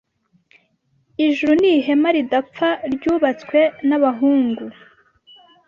Ijuru ni Ihema ridapfa ryubatswe nabahungu